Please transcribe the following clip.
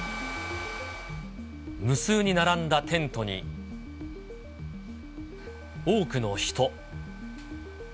無数に並んだテントに、多くの人。